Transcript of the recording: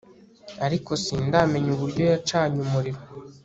ariko sindamenya uburyo yacanye umuriro